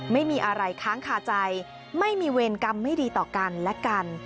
ไม่มีอะไรค้างคาใจไม่มีเวรกรรมไม่ดีต่อกันและกัน